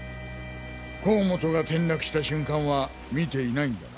甲本が転落した瞬間は見ていないんだな？